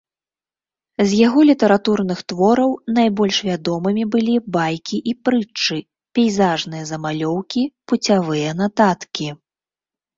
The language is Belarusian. З яго літаратурных твораў найбольш вядомымі былі байкі і прытчы, пейзажныя замалёўкі, пуцявыя нататкі.